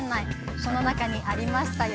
その中にありましたよ。